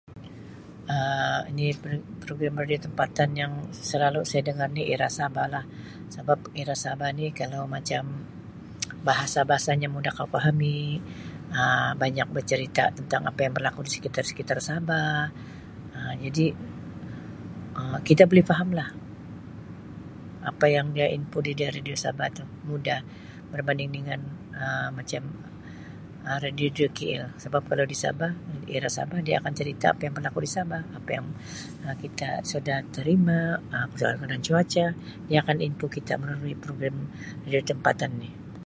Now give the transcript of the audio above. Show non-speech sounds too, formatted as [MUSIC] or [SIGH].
Um Ini peri-program radio tempatan yang selalu saya dengar ni Era Sabah lah. Sabab Era Sabah ni kalau macam [NOISE] bahasa-bahasanya mudah kau pahami Um banyak bercerita tentang apa yang berlaku di sekitar-sekitar Sabah Um jadi Um kita boleh faham lah apa yang dia inpo di radio Sabah itu, mudah berbanding dengan Um macam Um radio-radio KL sabab kalau di Sabah, Era Sabah dia akan cerita apa yang berlaku di Sabah, apa yang Um kita sudah terima, Um pasal keadaan cuaca, dia akan inpo kita melalui program radio tempatan ini.